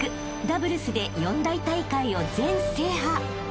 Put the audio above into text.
ダブルスで４大大会を全制覇］